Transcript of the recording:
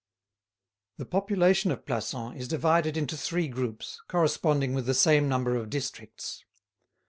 The population of Plassans is divided into three groups, corresponding with the same number of districts.